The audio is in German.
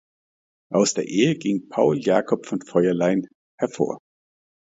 Aus der Ehe ging Paul Jakob von Feuerlein hervor.